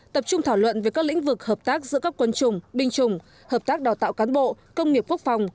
tập trung thảo luận về các lĩnh vực hợp tác giữa các quân chủng binh chủng hợp tác đào tạo cán bộ công nghiệp quốc phòng